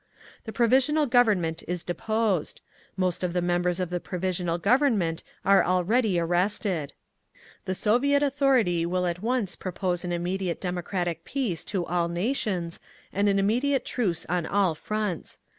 The Provisional Government is deposed. Most of the members of the Provisional Government are already arrested. The Soviet authority will at once propose an immediate democratic peace to all nations, and an immediate truce on all fronts.